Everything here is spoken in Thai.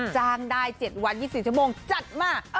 จ้างได้๗วัน๒๔ชั่วโมงจัดมา